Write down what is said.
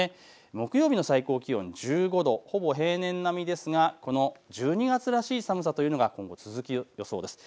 木曜日の最高気温１５度、ほぼ平年並みですが１２月らしい寒さというのが続く予想です。